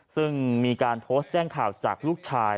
ซึ่งมีการโพสต์แจ้งข่าวจากลูกชาย